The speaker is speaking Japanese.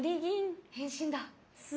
・変身だ。